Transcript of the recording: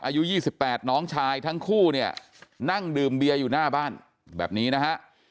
อายุ๒๘น้องชายทั้งคู่เนี่ยนั่งดื่มเบียร์อยู่หน้าบ้านแบบนี้นะฮะ